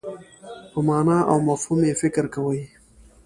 په مانا او مفهوم یې فکر کوي.